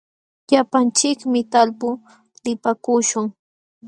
Llapanchikmi talpuu lipaakuśhun.